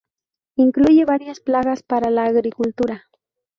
Incluye varias plagas para la agricultura.